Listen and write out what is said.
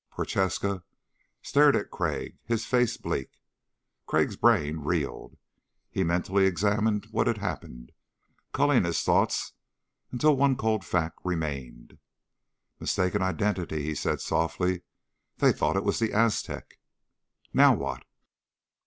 Prochaska stared at Crag, his face bleak. Crag's brain reeled. He mentally examined what had happened, culling his thoughts until one cold fact remained. "Mistaken identity," he said softly. "They thought it was the Aztec." "Now what?"